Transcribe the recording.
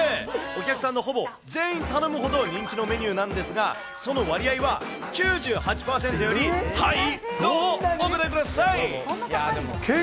お客さんのほぼ全員が頼むほど、人気のメニューなんですが、その割合は９８％よりハイ？